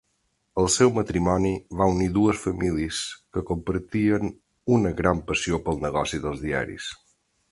El seu matrimoni va unir dues famílies que compartien una gran passió pel negoci dels diaris.